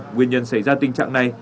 nguyên nhân xảy ra tình trạng này